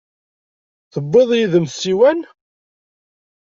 Tewwiḍ yid-m ssiwan?